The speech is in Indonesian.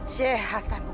syekh hasan uddin